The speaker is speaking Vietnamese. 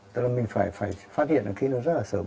tức là mình phải phát hiện khi nó rất là sớm